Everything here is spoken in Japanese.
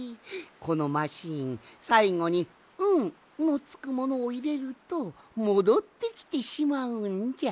このマシーンさいごに「ん」のつくものをいれるともどってきてしまうんじゃ。